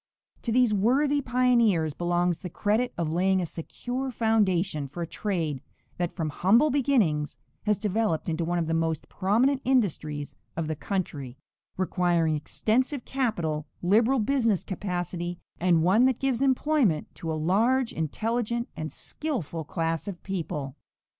To these worthy pioneers belongs the credit of laying a secure foundation for a trade that from humble beginnings has developed into one of the most prominent industries of the country, requiring extensive capital, liberal business capacity, and one that gives employment to a large, intelligent and skillful class of people.